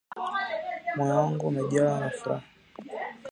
Moyo wangu umejaa na furaha